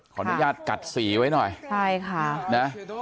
ขออนุญาตกัดสีไว้หน่อยใช่ค่ะนะ